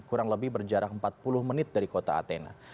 kurang lebih berjarak empat puluh menit dari kota athena